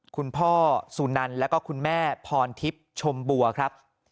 คุณพ่อสุนันแล้วก็คุณแม่พรทิพย์ชมบัวครับ